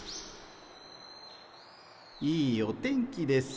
いいお天気です。